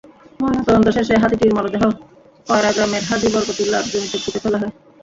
ময়নাতদন্ত শেষে হাতিটির মরদেহ কয়ড়া গ্রামের হাজি বরকতুল্লাহর জমিতে পুঁতে ফেলা হয়।